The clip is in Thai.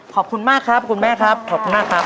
ขอบคุณมากครับคุณแม่ครับขอบคุณมากครับ